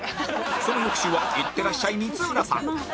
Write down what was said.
その翌週は行ってらっしゃい光浦さん